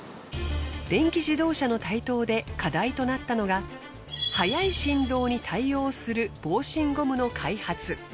電気自動車の台頭で課題となったのが速い振動に対応する防振ゴムの開発。